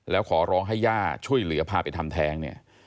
แล้วขอร้องให้ย่าช่วยเหลือพาไปทำแท้งเนี่ย